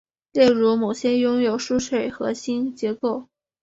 例如某些拥有疏水核心结构。